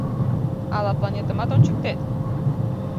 Ала планетымат ончыктет?..